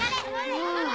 うわ。